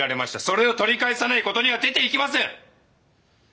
それを取り返さない事には出ていけません！